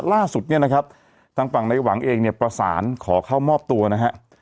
ล่าสุดเนี่ยนะครับทางฝั่งในหวังเองเนี่ยประสานขอเข้ามอบตัวนะฮะ